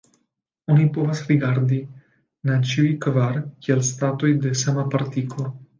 Oni povas rigardi na ĉiuj kvar kiel statoj de sama partiklo.